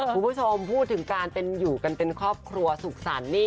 พี่ผู้ชมพูดถึงการเป็นอยู่เป็นครอบครัวสุขสรรค่ะ